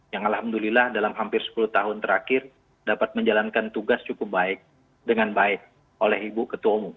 yang alhamdulillah dalam hampir sepuluh tahun terakhir dapat menjalankan tugas cukup baik dengan baik oleh ibu ketua umum